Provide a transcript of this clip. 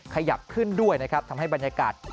ขยับขึ้นด้วยนะครับทำให้บรรยากาศ